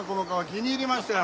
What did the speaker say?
気に入りましたよ。